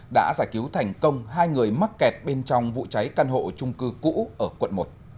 đã giải cứu thành công hai người mắc kẹt bên trong vụ cháy căn hộ trung cư cũ ở quận một